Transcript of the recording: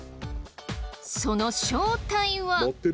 その正体は。